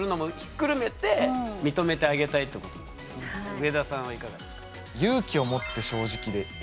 上田さんはいかがですか？